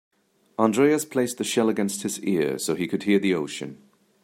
Andreas placed the shell against his ear so he could hear the ocean.